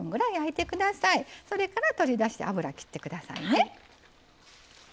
それから取り出して油切って下さいね。